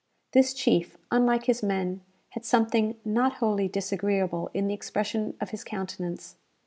This chief, unlike his men, had something not wholly disagreeable in the expression of his countenance.